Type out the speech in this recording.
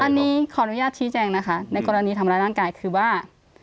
อันนี้ขออนุญาตชี้แจงนะคะในกรณีทำร้ายร่างกายคือว่า